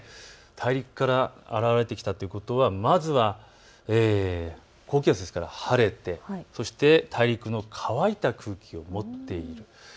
大陸から現れてきたということはまずは高気圧ですから晴れてそして大陸の乾いた空気を持っている。